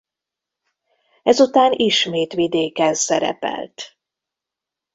Ezután ismét vidéken szerepelt.